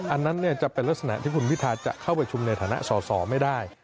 อันนั้นจะเป็นลักษณะที่คุณพิทาจะเข้าประชุมในฐานะสอสอไม่ได้